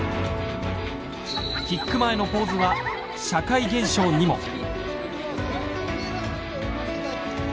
キック前のポーズは社会現象にも。